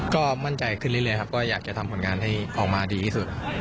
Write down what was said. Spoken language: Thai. ก็มั่นใจขึ้นเรื่อยครับก็อยากจะทำผลงานให้ออกมาดีที่สุด